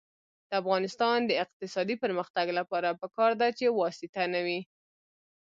د افغانستان د اقتصادي پرمختګ لپاره پکار ده چې واسطه نه وي.